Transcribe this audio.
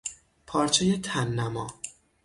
پارچهی تننما